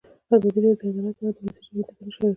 ازادي راډیو د عدالت په اړه د ولسي جرګې نظرونه شریک کړي.